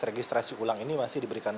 registrasi ulang ini masih diberikan